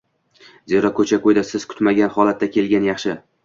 Zero, ko‘cha-ko‘yda, siz kutmagan holatda kelgan yaxshi